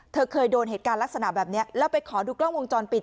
เคยโดนเหตุการณ์ลักษณะแบบนี้แล้วไปขอดูกล้องวงจรปิด